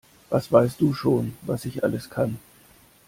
Was weißt du schon, was ich alles kann?